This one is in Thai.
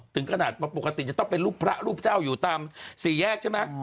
ถึงขนาดปกติจะต้องเป็นรูปพระรูปเจ้าอยู่ตามสี่แยกใช่ไหม